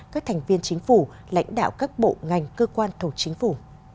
các thành viên chính phủ lãnh đạo các bộ ngành cơ quan thổ chính phủ